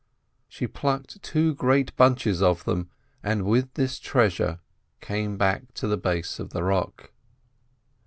She plucked two great bunches of them, and with this treasure came to the base of the rock.